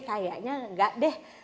kayaknya enggak deh